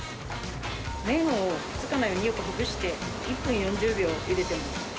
麺がくっつかないようによくほぐして、１分４０秒ゆでてます。